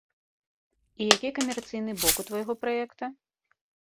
І які камерцыйны бок у твайго праекта?